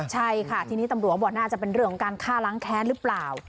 ใช่ค่ะทีนี้ตำรวจบอกน่าจะเป็นเรื่องของการฆ่าล้างแค้นหรือเปล่า